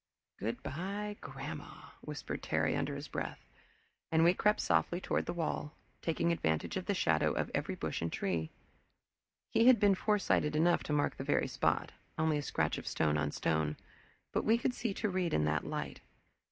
"Good bye, Grandma!" whispered Terry, under his breath, and we crept softly toward the wall, taking advantage of the shadow of every bush and tree. He had been foresighted enough to mark the very spot, only a scratch of stone on stone, but we could see to read in that light.